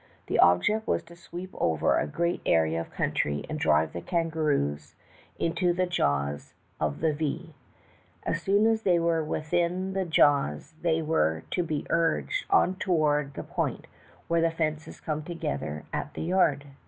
The object was to sweep over a great area of CQuntry and drive the kangaroos into the jaws A BATTLE WITH A KANGAROO. 239 of the V. As soon as they were within the jaws they were to be urged on toward the point where the fences came together at the yard.